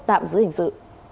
tạm giữ hình sự